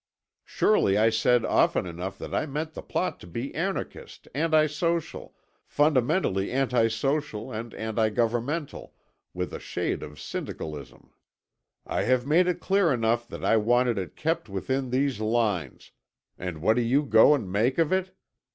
Surely I said often enough that I meant the plot to be anarchist, anti social, fundamentally anti social and anti governmental, with a shade of syndicalism. I have made it clear enough that I wanted it kept within these lines; and what do you go and make of it?...